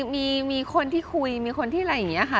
มีคนที่คุยมีคนที่อะไรอย่างนี้ค่ะ